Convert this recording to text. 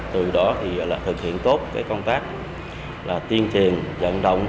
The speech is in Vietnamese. từ đó thì thực hiện tốt công tác tiên triền dẫn động